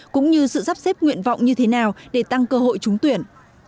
cũng như sự sắp xếp nguyện vọng như thế nào để tăng cơ hội trúng tuyển